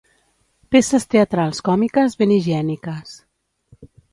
Peces teatrals còmiques ben higièniques.